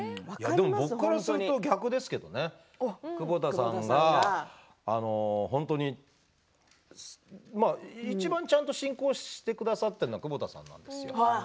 僕から言うと逆ですけどね久保田さんが本当にいちばんちゃんと進行してくださっているのは久保田さんなので。